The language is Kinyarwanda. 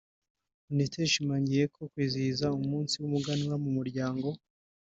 Minisitiri yashimangiye ko kwizihiza umunsi w’umuganura mu muryango